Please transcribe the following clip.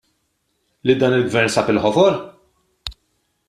Li dan il-Gvern sab il-ħofor?